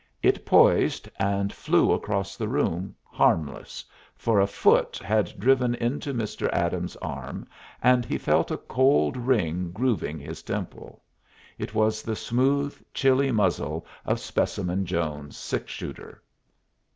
It poised, and flew across the room, harmless, for a foot had driven into Mr. Adams's arm, and he felt a cold ring grooving his temple. It was the smooth, chilly muzzle of Specimen Jones's six shooter.